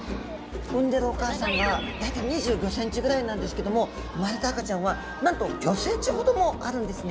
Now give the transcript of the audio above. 産んでるお母さんが大体２５ｃｍぐらいなんですけども産まれた赤ちゃんはなんと５ｃｍほどもあるんですね。